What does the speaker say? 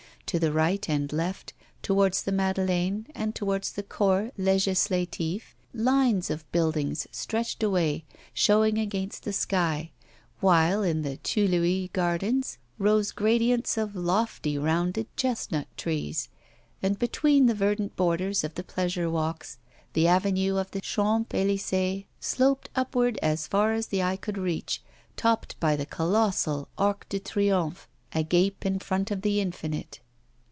To the right and left, towards the Madeleine and towards the Corps Legislatif, lines of buildings stretched away, showing against the sky, while in the Tuileries Gardens rose gradients of lofty rounded chestnut trees. And between the verdant borders of the pleasure walks, the avenue of the Champs Elysées sloped upward as far as the eye could reach, topped by the colossal Arc de Triomphe, agape in front of the infinite.